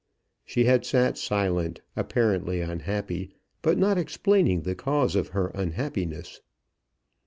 She had sat silent, apparently unhappy, but not explaining the cause of her unhappiness.